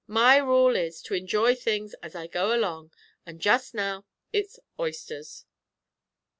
My rule is, to enjoy things as I go along; and just now, it's oysters."